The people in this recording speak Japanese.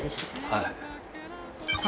はい。